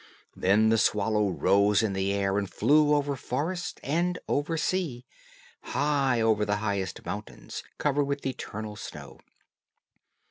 Then the swallow rose in the air, and flew over forest and over sea, high above the highest mountains, covered with eternal snow.